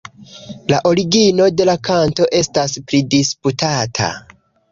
La origino de la kanto estas pridisputata.